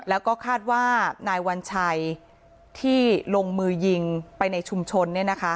แล้วก็คาดว่านายวัญชัยที่ลงมือยิงไปในชุมชน